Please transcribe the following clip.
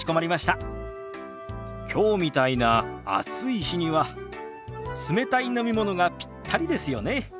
きょうみたいな暑い日には冷たい飲み物がピッタリですよね。